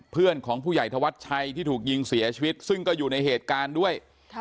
เพื่อนของผู้ใหญ่ธวัชชัยที่ถูกยิงเสียชีวิตซึ่งก็อยู่ในเหตุการณ์ด้วย